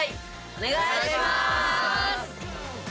お願いします！